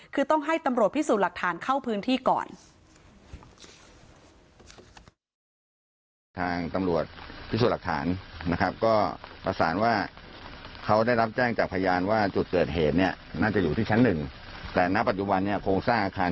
คือต้องให้ตำรวจพิสูจน์หลักฐานเข้าพื้นที่ก่อน